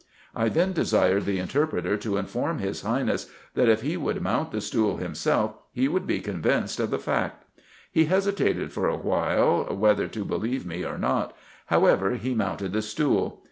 I then desired the interpreter to inform his Highness, that if he would mount the stool himself, he would be convinced 16 RESEARCHES AND OPERATIONS of the fact. He hesitated for a wliile whether to believe me or not ; however he mounted the stool.